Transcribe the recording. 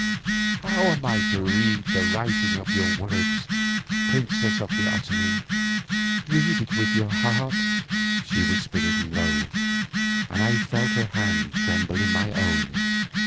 How am I to read the writing of your words, princess of the Otomie?" "Read it with your heart," she whispered low, and I felt her hand tremble in my own.